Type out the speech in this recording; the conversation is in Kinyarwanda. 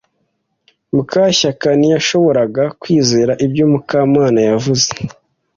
Mukashyaka ntiyashoboraga kwizera ibyo Mukamana yavuze.